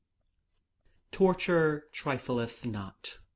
Torture trifleth not.